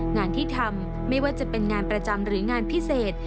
งานที่ทำไม่ว่าจะเป็นงานประจำหรืองานพิเศษ